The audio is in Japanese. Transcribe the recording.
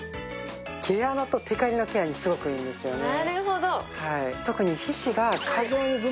毛穴とテカリのケアにすごくいいんですよね。